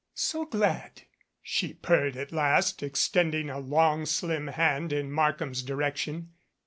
"So glad," she purred at last, extending a long slim hand in Markham's direction.